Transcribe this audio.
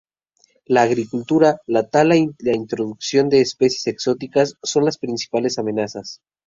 La agricultura, la tala y la introducción de especies exóticas son las principales amenazas.